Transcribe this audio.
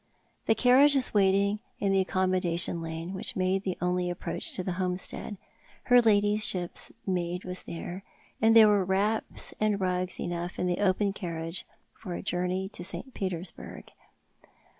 The carriage was waiting in the accommodation lane which made the only approach to the homestead. Iler ladyship's maid was there, and there were wrai)S and rugs enough in the open carriage for a journey to St. Petersburg.